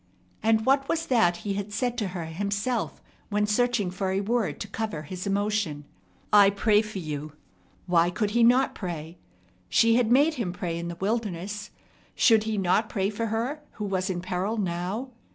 And what was that he had said to her himself, when searching for a word to cover his emotion? "I pray for you!" Why could he not pray? She had made him pray in the wilderness. Should he not pray for her who was in peril now?